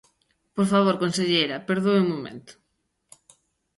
Por favor, conselleira, perdoe un momento.